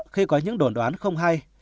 khi có các đồn đoán không hay